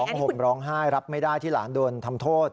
ห่มร้องไห้รับไม่ได้ที่หลานโดนทำโทษ